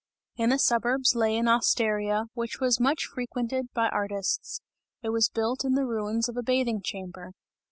In the suburbs, lay an osteria, which was much frequented by artists; it was built in the ruins of a bathing chamber.